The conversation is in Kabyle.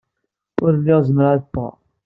Ur lliɣ zemreɣ ad ffɣeɣ.